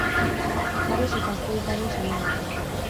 Ares eta Afroditaren semea zen.